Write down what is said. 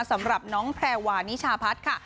สำหรับน้องแพรวานิชาพัฒน์ค่ะ